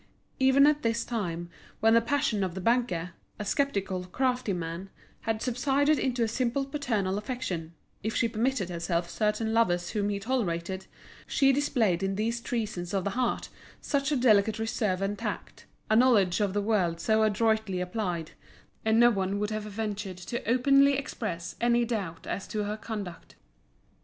Even at this time, when the passion of the banker, a sceptical, crafty man, had subsided into a simple paternal affection, if she permitted herself certain lovers whom he tolerated, she displayed in these treasons of the heart such a delicate reserve and tact, a knowledge of the world so adroitly applied, that appearances were saved, and no one would have ventured to openly express any doubt as to her conduct.